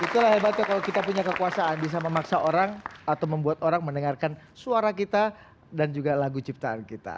itulah hebatnya kalau kita punya kekuasaan bisa memaksa orang atau membuat orang mendengarkan suara kita dan juga lagu ciptaan kita